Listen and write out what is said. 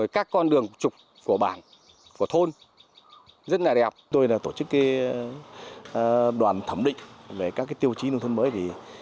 chúng tôi là tổ chức đoàn thẩm định về các tiêu chí nông thôn mới